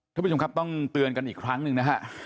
ท่านผู้ชมครับต้องเตือนกันอีกครั้งหนึ่งนะฮะ